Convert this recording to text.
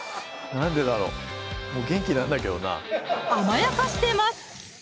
なんでだろうもう元気なんだけどな甘やかしてます